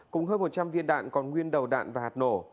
cùng hơn một trăm linh viên đạn còn nguyên đầu đạn và hạt nổ